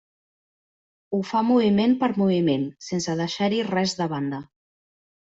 Ho fa moviment per moviment, sense deixar-hi res de banda.